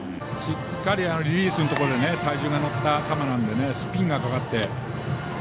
しっかりリリースのところで体重が乗った球なのでスピンがかかって。